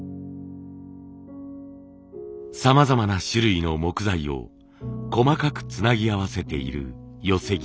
さまざまな種類の木材を細かくつなぎ合わせている寄木。